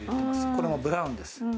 これもブラウンです。